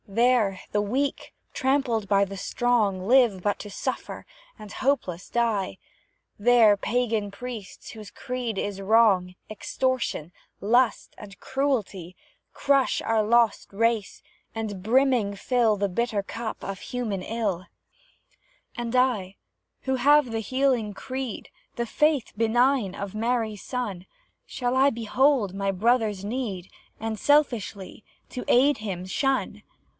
There, the weak, trampled by the strong, Live but to suffer hopeless die; There pagan priests, whose creed is Wrong, Extortion, Lust, and Cruelty, Crush our lost race and brimming fill The bitter cup of human ill; And I who have the healing creed, The faith benign of Mary's Son, Shall I behold my brother's need, And, selfishly, to aid him shun?